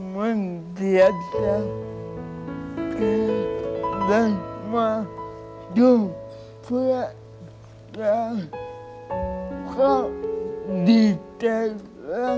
มันเสียใจที่ได้มาดูเพื่อกันเพราะดีใจแล้วครับ